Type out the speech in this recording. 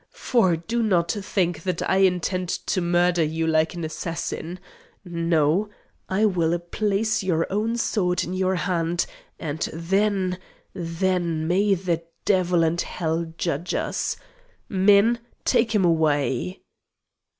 For do not think that I intend to murder you like an assassin. No; I will place your own sword in your hand, and then then may the Devil and Hell judge us! ... Men! Take him away!"